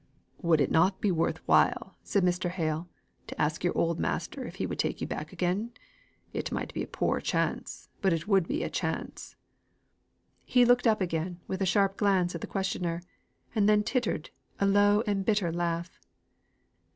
"Would it not be worth while," said Mr. Hale, "to ask your old master if he would take you back again? It might be a poor chance, but it would be a chance." He looked up again, with a sharp glance at the questioner; and then tittered a low and bitter laugh.